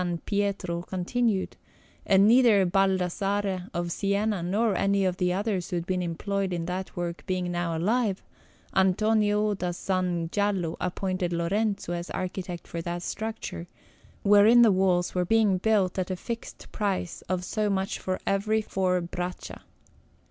Pietro continued, and neither Baldassarre of Siena nor any of the others who had been employed in that work being now alive, Antonio da San Gallo appointed Lorenzo as architect for that structure, wherein the walls were being built at a fixed price of so much for every four braccia.